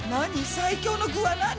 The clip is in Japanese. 最強の具は何？